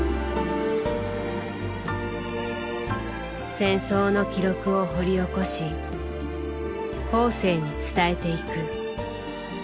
戦争の記録を掘り起こし後世に伝えていく。